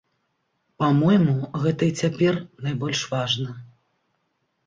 Па-мойму, гэта і цяпер найбольш важна.